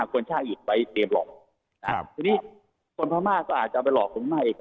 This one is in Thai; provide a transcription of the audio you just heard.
คนชาติอีกไว้เตรียมหลอก